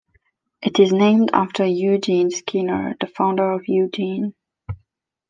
It is named after Eugene Skinner, the founder of Eugene.